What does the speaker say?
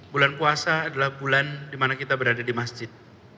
bulan puasa adalah bulan dimana kita berada di masjid